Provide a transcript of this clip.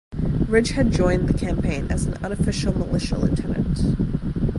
Ridge had joined the campaign as an unofficial militia lieutenant.